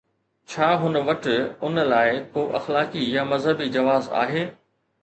ڇا هن وٽ ان لاءِ ڪو اخلاقي يا مذهبي جواز آهي؟